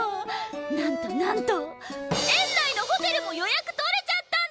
なんとなんと園内のホテルも予約取れちゃったんです！